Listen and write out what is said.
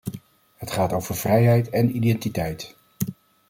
Het gaat over vrijheid en identiteit.